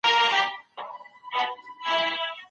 که نجونې ټولګیوالې وي نو درس به نه هیریږي.